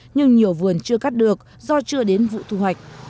nhưng nhiều vườn chưa cắt được do chưa đến vụ thu hoạch